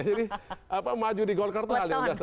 jadi maju di golkar itu hal yang biasa